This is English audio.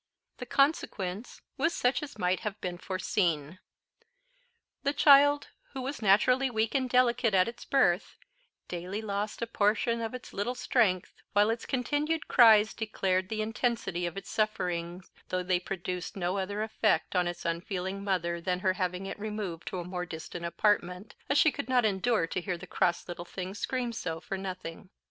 The consequence was such as might have been foreseen. The child, who was naturally weak and delicate at its birth, daily lost a portion of its little strength, while its continued cries declared the intensity of its sufferings, though they produced no other effect on its unfeeling mother than her having it removed to a more distant apartment, as she could not endure to hear the cross little thing scream so for nothing.